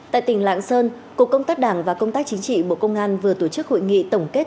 tại tỉnh lạng sơn cục công tác đảng và công tác chính trị bộ công an vừa tổ chức hội nghị tổng kết